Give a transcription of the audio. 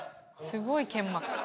すごい剣幕。